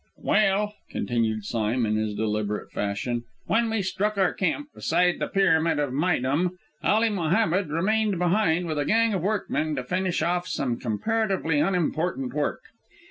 "Well," continued Sime, in his deliberate fashion, "when we struck our camp beside the Pyramid of Méydûm, Ali Mohammed remained behind with a gang of workmen to finish off some comparatively unimportant work.